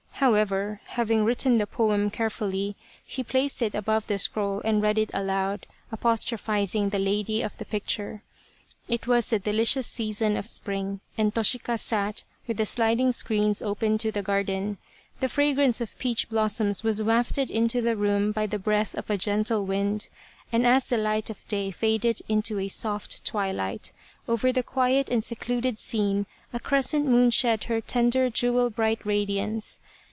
However, having written the poem carefully, he placed it above the scroll and read it aloud, apostro phizing the lady of the picture. It was the delicious season of spring, and Toshika sat with the sliding screens open to the garden. The fragrance of peach blossoms was wafted into the room by the breath of a gentle wind, and as the light of day faded into a soft twilight, over the quiet and secluded scene a crescent moon shed her tender jewel bright radiance.